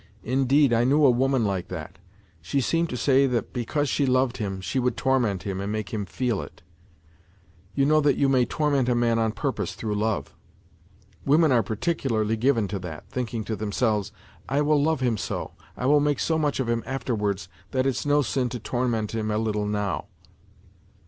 Indeed, I knew a woman like that : she seemed to say that because she loved him, she would torment him and make him feel it. You know that you may torment a man on purpose through love. Women are particularly given to that, thinking to themselves ' I will love him so, I will make so much of him afterwards, that it's no sin to torment him a little now.'